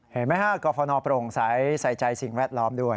เห็นไหมครับก็ควรนอบโปร่งใสใส่ใจสิ่งแวดล้อมด้วย